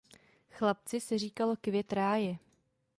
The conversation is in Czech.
Chlapci se říkalo "Květ ráje".